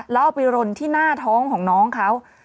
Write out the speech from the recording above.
แล้วเอาไปรนที่หน้าท้องของน้องเขา